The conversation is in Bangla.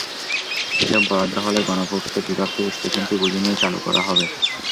এসব বরাদ্দ হলে গণপূর্ত বিভাগ থেকে স্টেশনটি বুঝে নিয়ে চালু করা হবে।